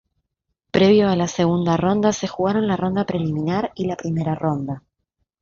Previo a la segunda ronda se jugaron la ronda preliminar y la primera ronda.